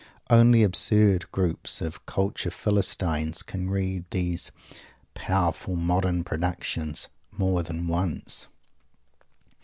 Only absurd groups of Culture Philistines can read these "powerful modern productions" more than once!